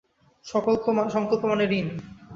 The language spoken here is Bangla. সঙ্কল্প মানে ঋণ।